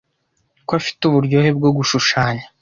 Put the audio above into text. ko afite uburyohe bwo gushushanya